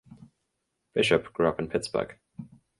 Bishop grew up in Pittsburgh.